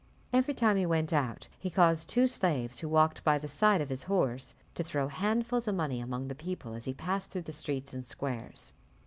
Every time he went out, he caused two slaves, who walked by the side of his horse, to throw handfuls of money among the people as he passed through the streets and squares.